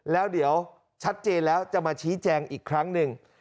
แล้วเดี๋ยวชัดเจนแล้วจะมาชี้แจงอีกครั้งหนึ่ง